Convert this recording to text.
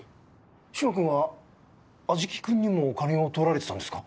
嶋君は安食君にもお金をとられてたんですか！？